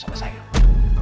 dan anda yesus